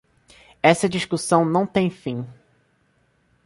Essa discussão não tem fim